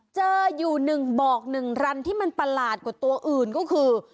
เจออยู่๑บอก๑รันที่มันประหลาดกว่าตัวอื่นก็คือ